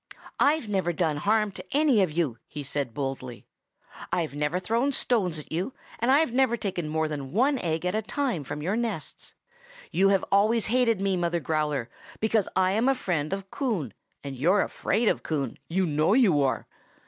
"I've never done any harm to any of you," he said boldly. "I've never thrown stones at you, and I've never taken more than one egg at a time from your nests. You have always hated me, Mother Growler, because I am a friend of Coon; and you're afraid of Coon, you know you are.